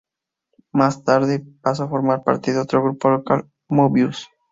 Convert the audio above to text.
Más tarde pasa a formar parte de otro grupo local: "Möbius".